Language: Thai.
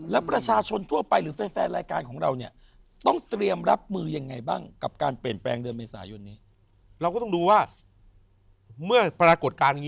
แล้วประชาชนทั่วไปหรือแฟนรายการของเราเนี่ยต้องเตรียมรับมือยังไงบ้างกับการเปลี่ยนแปลงเดือนเมษายน